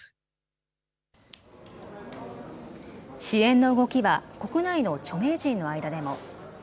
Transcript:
支援の動きは国内の著名人の間でも。